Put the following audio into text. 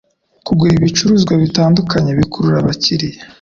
kugura ibicuruzwa bitandukanye bikurura abakiriya